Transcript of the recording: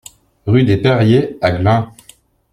Rue des Perriers à Glun